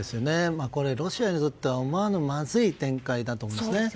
これ、ロシアにとっては思わぬまずい展開だと思いますね。